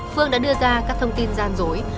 phương đã đưa ra các thông tin gian dối